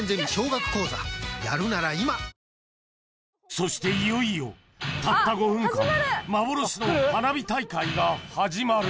そしていよいよたった５分間幻の花火大会が始まる